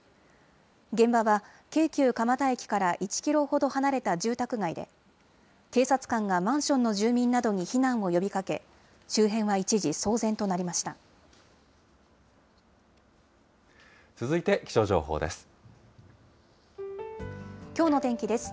現場は、京急蒲田駅から１キロほど離れた住宅街で、警察官がマンションの住人などに避難を呼びかけ、周辺は一時、騒続いて気象情報です。